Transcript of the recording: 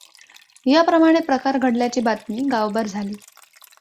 याप्रमाणे प्रकार घडल्याची बातमी गावभर झाली.